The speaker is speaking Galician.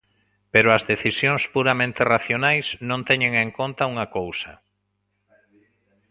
Pero as decisións puramente racionais non teñen en conta unha cousa.